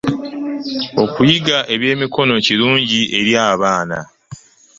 Okuyiga eby'emikono kirungi eri abaana.